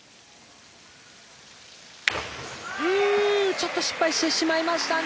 ちょっと失敗してしまいましたね。